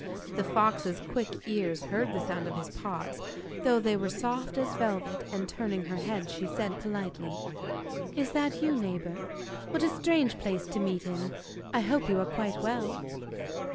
The fox's quick ears heard the sound of his paws, though they were soft as velvet, and turning her head she said politely: 'Is that you, neighbour? What a strange place to meet in! I hope you are quite well?